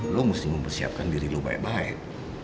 lo mesti mempersiapkan diri lo baik baik